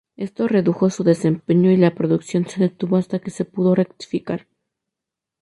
Esto redujo su desempeño y la producción se detuvo hasta que se pudo rectificar.